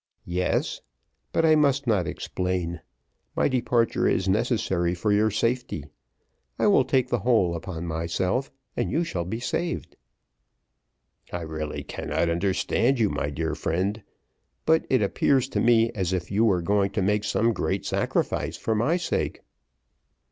"Yes; but I must not explain; my departure is necessary for your safety: I will take the whole upon myself, and you shall be saved." "I really cannot understand you, my dear friend; but it appears to me, as if you were going to make some great sacrifice for my sake."